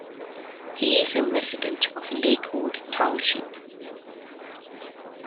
He is a resident of Lakewood Township.